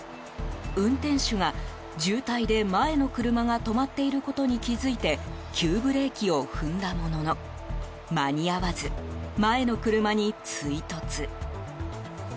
運転手が、渋滞で前の車が止まっていることに気づいて急ブレーキを踏んだものの間に合わず、前の車に追突。